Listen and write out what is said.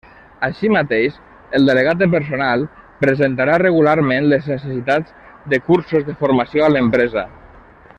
Així mateix, el delegat de personal presentarà regularment les necessitats de cursos de formació a l'empresa.